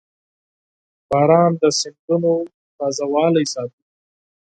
• باران د سیندونو تازهوالی ساتي.